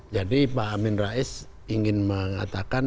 jadi pak amin rais ingin mengatakan